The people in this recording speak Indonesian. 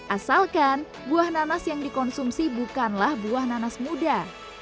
asalkan buah nanas yang dikonsumsi bukanlah buah nanas muda